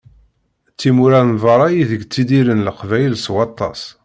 Timura n berra ideg ttidiren Leqbayel s waṭas.